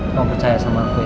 kamu percaya sama aku